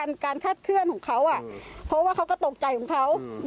แม่ก็เข้าใจนะ